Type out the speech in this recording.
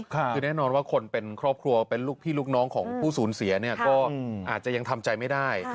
คือแน่นอนว่าคนเป็นครอบครัวเป็นลูกพี่ลูกน้องของผู้สูญเสียเนี่ยก็อาจจะยังทำใจไม่ได้